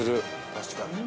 ◆確かに。